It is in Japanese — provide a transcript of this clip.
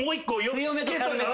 強めと軽めと。